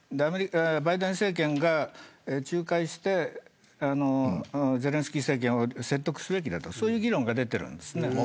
バイデン政権が仲介してゼレンスキー政権を説得するべきという議論が出ています。